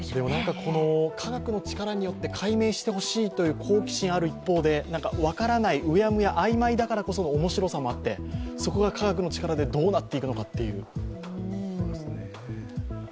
この科学の力によって解明してほしいという好奇心ある一方で、分からない、うやむや、曖昧だからこそ面白さもあって、そこが科学の力でどうなっていくのかという。